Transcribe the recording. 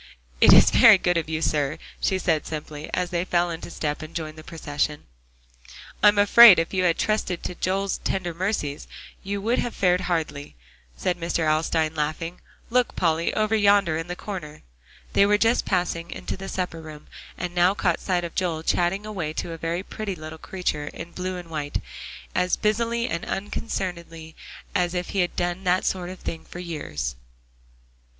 "It's very good of you, sir," she said simply, as they fell into step and joined the procession. "I'm afraid if you had trusted to Joel's tender mercies, you would have fared hardly," said Mr. Alstyne, laughing. "Look, Polly, over yonder in the corner." They were just passing into the supper room, and now caught sight of Joel chatting away to a very pretty little creature, in blue and white, as busily and unconcernedly as if he had done that sort of thing for years.